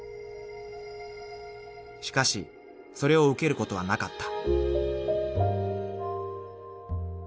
［しかしそれを受けることはなかった］